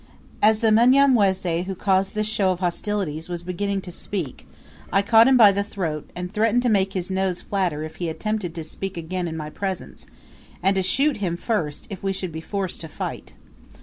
As the Mnyamwezi who caused this show of hostilities was beginning to speak, I caught him by the throat, and threatened to make his nose flatter if he attempted to speak again in my presence, and to shoot him first, if we should be forced to fight.